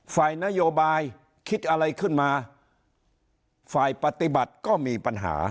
ฝ่ายนโยบายคิดอะไรขึ้นมาฝ่ายปฏิบัติก็มีปัญหา